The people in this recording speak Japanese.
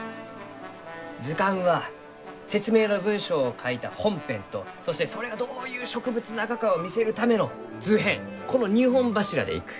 図鑑は説明の文章を書いた本編とそしてそれがどういう植物ながかを見せるための図編この２本柱でいく。